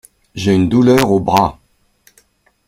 J’ai une douleur au bras.